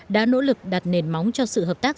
đã nỗ lực đặt nền móng cho sự hợp tác